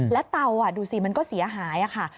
แล้วเตาดูสิมันก็เสียหายค่ะ